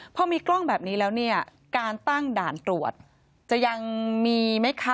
พอมีกล้องแบบนี้แล้วเนี่ยการตั้งด่านตรวจจะยังมีไหมคะ